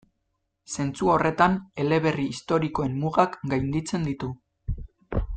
Zentzu horretan eleberri historikoen mugak gainditzen ditu.